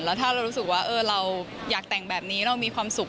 แล้วถ้าเรารู้สึกว่าเราอยากแต่งแบบนี้เรามีความสุข